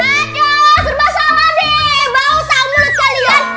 aduh serba salah deh bau tak mulut kalian